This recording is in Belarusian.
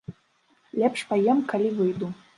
Лепш паем, калі выйду.